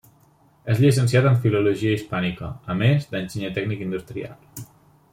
És llicenciat en filologia hispànica, a més, d'enginyer tècnic industrial.